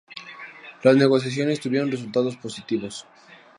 Las negociaciones tuvieron resultados positivos.